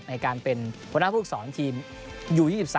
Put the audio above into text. ในการเป็นพลังพลังพลุกศรทีมอยู่ที่๒๓